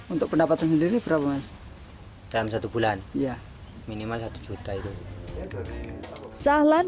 untuk pendapatan sendiri berapa mas dalam satu bulan ya minimal satu juta itu sahlan